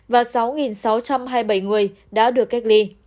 và sáu sáu trăm hai mươi bảy người đã được cách ly